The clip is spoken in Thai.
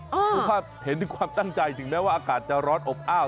คือภาพเห็นถึงความตั้งใจถึงแม้ว่าอากาศจะร้อนอบอ้าว